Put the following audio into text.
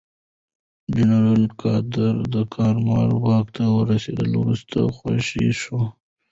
جنرال قادر د کارمل واک ته رسېدو وروسته خوشې شو.